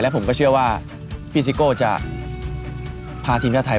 ผมก็เชื่อว่าพี่ซิโก้จะพาทีมชาติไทย